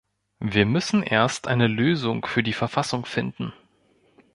Wir müssen erst eine Lösung für die Verfassung finden.